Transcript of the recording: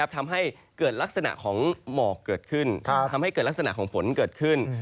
ทำให้เกิดลักษณะของหมอกเกิดขึ้นทำให้เกิดลักษณะของฝนเกิดขึ้น